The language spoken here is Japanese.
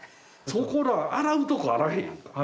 そこら洗うとこあらへんやんか。